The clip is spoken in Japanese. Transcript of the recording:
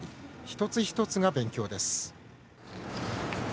一つ一つが勉強です。